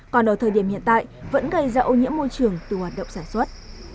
còn ở thời điểm hiện tại vẫn gây ra ô nhiễm môi trường từ hoạt động sản xuất